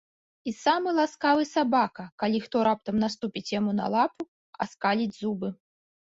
І самы ласкавы сабака, калі хто раптам наступіць яму на лапу, аскаліць зубы.